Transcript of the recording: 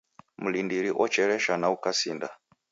Mlindiri ocheresha na ukasinda